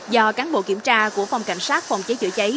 do cán bộ kiểm tra của phòng cảnh sát phòng cháy chữa cháy